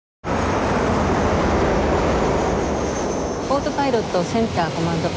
オートパイロットセンターコマンド。